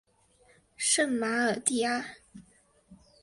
圣马尔蒂阿。